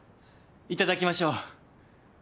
いただきましょう。